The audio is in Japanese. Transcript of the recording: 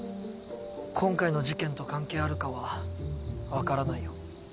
今回の事件と関係あるかは分からないよ。